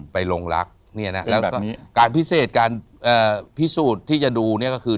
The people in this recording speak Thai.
ไปลงลักษณ์นี่แหนะการพิเศษปฏิสูจน์ที่จะดูเนี่ยก็คือ